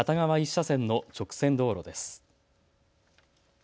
１車線の直線道路です。